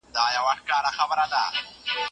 دا د جرګو دا د وروریو وطن